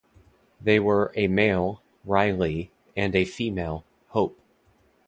They were a male, Riley, and a female, Hope.